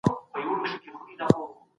خدای پوهیده چي انسان به څه کوي.